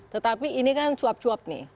tetapi ini kan cuap cuap nih